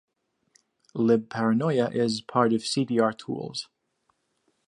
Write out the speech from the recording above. Libparanoia is part of cdrtools.